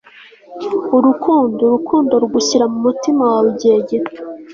Urukundo urukundo rugushyira mumutima wawe igihe gito